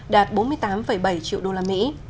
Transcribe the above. đạt bốn mươi tám bảy triệu đô la mỹ